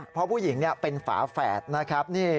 เพราะผู้หญิงเป็นฝาแฝดนะครับ